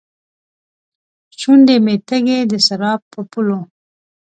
شونډې مې تږې ، دسراب په پولو